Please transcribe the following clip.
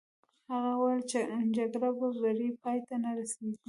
هغه وویل: جګړه په بري پای ته نه رسېږي.